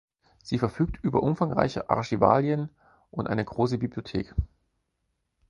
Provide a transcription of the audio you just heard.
Sie verfügt über umfangreiche Archivalien und eine große Bibliothek.